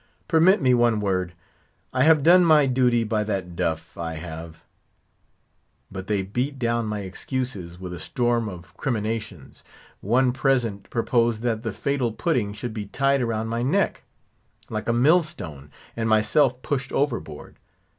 permit me one word. I have done my duty by that duff—I have——" But they beat down my excuses with a storm of criminations. One present proposed that the fatal pudding should be tied round my neck, like a mill stone, and myself pushed overboard.